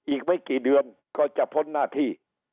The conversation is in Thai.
อีกไม่กี่เดือนก็จะพ้นหน้าที่